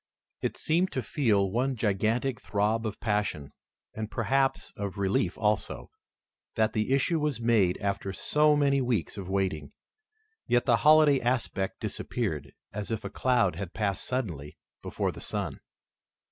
It seemed to feel one gigantic throb of passion, and perhaps of relief also, that the issue was made after so many weeks of waiting. Yet the holiday aspect disappeared, as if a cloud had passed suddenly before the sun.